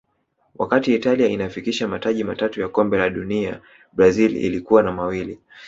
wakati italia inafikisha mataji matatu ya kombe la dunia brazil ilikuwa na mawili